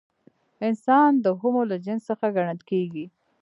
انسان د هومو له جنس څخه ګڼل کېږي.